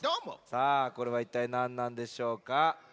さあこれはいったいなんなんでしょうか？